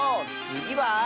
つぎは。